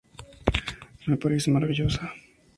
Me parece maravillosa.